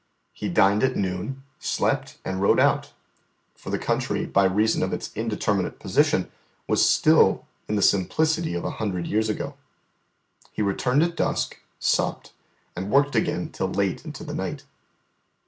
He dined at noon, slept, and rode out, for the country by reason of its indeterminate position was still in the simplicity of a hundred years ago. He returned at dusk, supped, and worked again till late into the night.